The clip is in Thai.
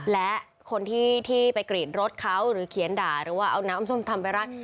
และคนที่ไปกรีดรถเขาหรือเขียนด่าหรือว่าเอาน้ำส้มตำไปรัด